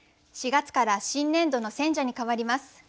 ４月から新年度の選者に替わります。